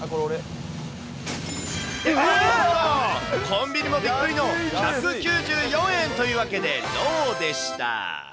コンビニもびっくりの１９４円というわけで、ローでした。